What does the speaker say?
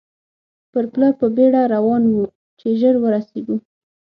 پر پله په بېړه روان وو، چې ژر ورسېږو.